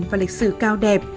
và lịch sử cao đẹp